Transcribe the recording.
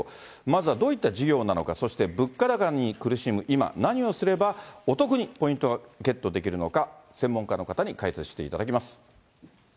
まずはどういった事業なのか、そして物価高に苦しむ今、何をすれば、お得にポイントがゲットできるのか、専門家の方に解説していただきます。